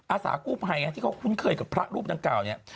อาสากู้ภัยที่เขาคุ้นเคยกับพระรูปดังกล่าวเนี่ย